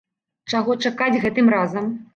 Чаго чакаць гэтым разам?